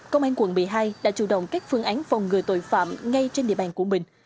công an quận một mươi hai đã chủ động các phương án phòng ngừa tội phạm ngay trên địa bàn của mình